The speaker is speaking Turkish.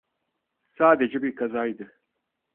Sadece bir kazaydı.